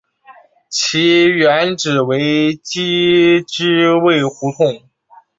其原址为机织卫胡同。